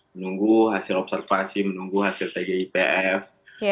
menunggu hasil observasi menunggu hasil tgipf